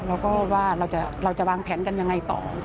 เราก็ว่าเราจะวางแผนกันยังไงต่อ